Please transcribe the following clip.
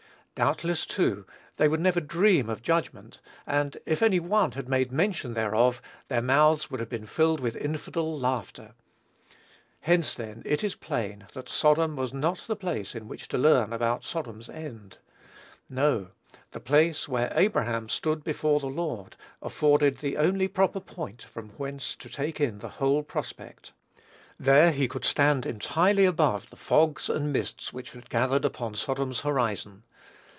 Doubtless, too, they would never dream of judgment, and if any one had made mention thereof, their mouths would have been filled with infidel laughter. Hence, then, it is plain, that Sodom was not the place in which to learn about Sodom's end. No; "the place, where Abraham stood before the Lord," afforded the only proper point from whence to take in the whole prospect. There he could stand entirely above the fogs and mists which had gathered upon Sodom's horizon.